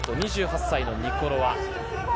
２８歳のニコロワ。